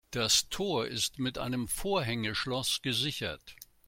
Das Tor ist mit einem Vorhängeschloss gesichert.